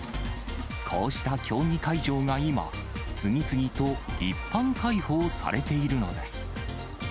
こうした競技会場が今、次々と一般開放されているのです。